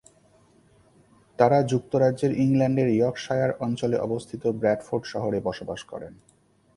তারা যুক্তরাজ্যের ইংল্যান্ডের ইয়র্কশায়ার অঞ্চলে অবস্থিত ব্র্যাডফোর্ড শহরে বসবাস করেন।